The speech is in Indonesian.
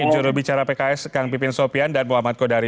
jurubicara pks kang pipin sopian dan muhammad kodari